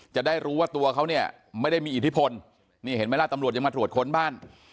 จะได้รู้ว่าตัวเขาเนี่ยไม่ได้มีอิทธิพลนี่เห็นไหมล่ะตำรวจยังมาตรวจค้นบ้าน